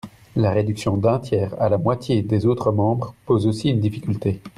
La réduction d’un tiers à la moitié des autres membres pose aussi une difficulté.